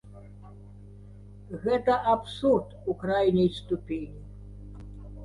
Гэта абсурд у крайняй ступені.